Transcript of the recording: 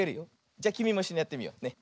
じゃきみもいっしょにやってみようね。